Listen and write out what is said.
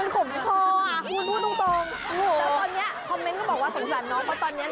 กลิ่นดือเป็นเหตุสังเกตได้